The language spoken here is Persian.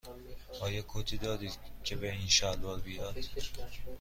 آیا کتی دارید که به این شلوار بیاید؟